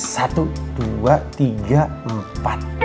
satu dua tiga empat